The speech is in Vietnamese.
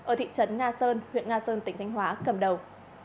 ở thị trấn nga sơn huyện nga sơn tỉnh thanh hóa cầm đầu